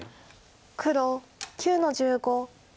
黒９の十五。